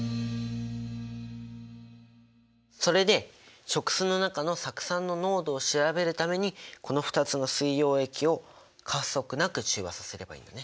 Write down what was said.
それで食酢の中の酢酸の濃度を調べるためにこの２つの水溶液を過不足なく中和させればいいんだね。